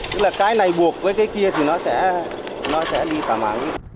tức là cái này buộc với cái kia thì nó sẽ đi cả mạng